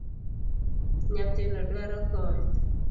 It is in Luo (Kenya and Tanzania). Nyathino dwaro kony